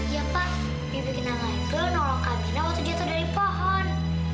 iya pak bibi kenanga itu nolong kak bina waktu jatuh dari pohon